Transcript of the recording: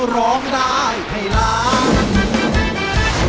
ร้องได้ให้ล้าน